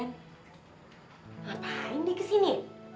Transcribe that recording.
ngapain deh kesini